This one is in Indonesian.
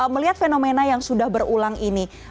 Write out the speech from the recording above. melihat fenomena yang sudah berulang ini